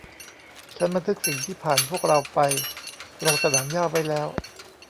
ฉันบันทึกสิ่งที่ผ่านพวกเราไปตรงสนามหญ้าไว้แล้ว